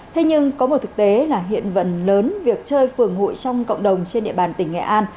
thế nhưng có một thực tế là hiện phần lớn việc chơi phường hội trong cộng đồng trên địa bàn tỉnh nghệ an